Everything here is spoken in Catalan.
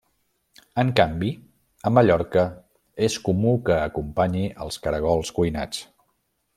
En canvi, a Mallorca és comú que acompanyi els caragols cuinats.